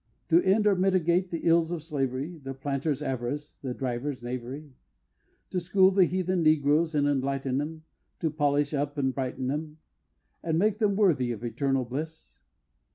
To end or mitigate the ills of slavery, The Planter's avarice, the Driver's knavery? To school the heathen Negroes and enlighten 'em, To polish up and brighten 'em, And make them worthy of eternal bliss?